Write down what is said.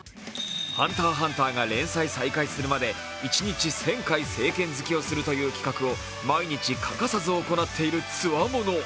「ＨＵＮＴＥＲ×ＨＵＮＴＥＲ」が連載再開するまで一日１０００回、正拳突きをするという企画を毎日欠かさず行っているつわもの。